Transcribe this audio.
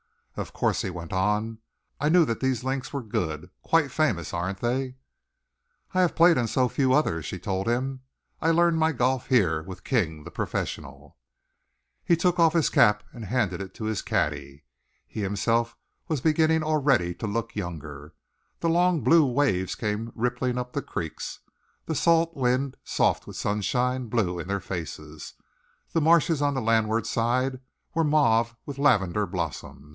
"Of course," he went on, "I knew that these links were good quite famous, aren't they?" "I have played on so few others," she told him. "I learned my golf here with King, the professional." He took off his cap and handed it to his caddy. He himself was beginning already to look younger. The long blue waves came rippling up the creeks. The salt wind, soft with sunshine, blew in their faces. The marshes on the landward side were mauve with lavender blossom.